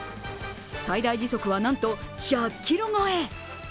最大時速は、なんと１００キロ超え。